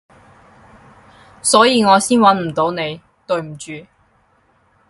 所以我先搵唔到你，對唔住